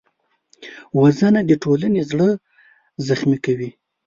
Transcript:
وژنه د ټولنې زړه زخمي کوي